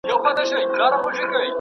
ایمي د خپلو همکارانو سره لږه اړیکه لرله.